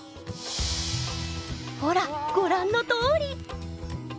ほらご覧のとおり！